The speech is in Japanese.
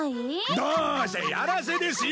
どうせやらせですよ